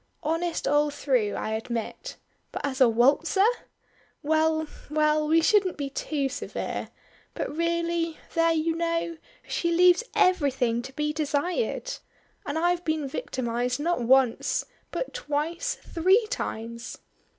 "Honest all through, I admit; but as a waltzer! Well, well, we shouldn't be too severe but really, there you know, she leaves everything to be desired. And I've been victimized not once, but twice three times."